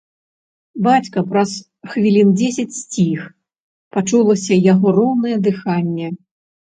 Бацька праз хвілін дзесяць сціх, пачулася яго роўнае дыханне.